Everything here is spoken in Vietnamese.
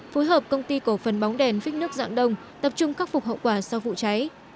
phối hợp công ty cổ phần bóng đèn phích nước dạng đông tập trung khắc phục hậu quả sau vụ cháy